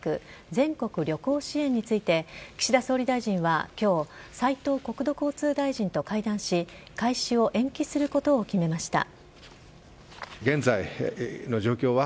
全国旅行支援について岸田総理大臣は今日斉藤国土交通大臣と会談し開始を延期することを決めました。